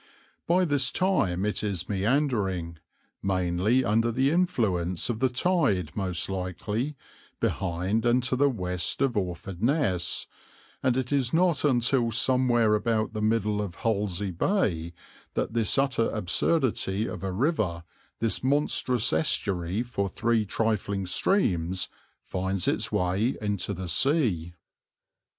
By this time it is meandering, mainly under the influence of the tide most likely, behind and to the west of Orford Ness, and it is not until somewhere about the middle of Hollesley Bay that this utter absurdity of a river, this monstrous estuary for three trifling streams, finds its way into the sea.